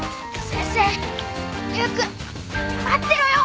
先生！